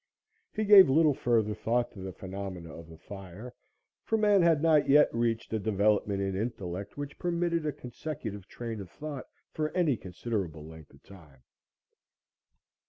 He gave little further thought to the phenomena of the fire, for man had not yet reached a development in intellect which permitted a consecutive train of thought for any considerable length of time.